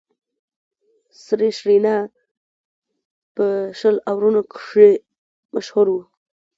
سریش رینا په شل آورونو کښي مشهور وو.